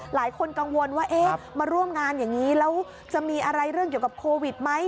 หลายคนกังวลว่าเอ๊ะมาร่วมงานอย่างนี้แล้วจะมีอะไรเรื่องเกี่ยวกับโควิดไหม